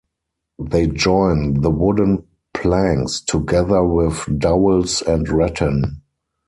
They join the wooden planks together with dowels and rattan.